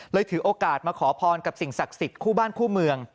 เลยถือโอกาสมาขอภารก์กับสิ่งศักดิ์สิตคู่บ้านคู่เมือง